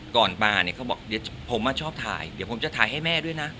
ก่อนมาเนี่ยเขาบอกเดี๋ยวผมชอบถ่ายเดี๋ยวผมจะถ่ายให้แม่ด้วยนะ